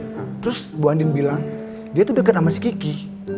nah terus bu andin bilang dia tuh dekat sama si kiki